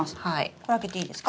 これ開けていいですか？